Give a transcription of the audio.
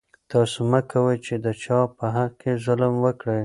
تاسو مه کوئ چې د چا په حق کې ظلم وکړئ.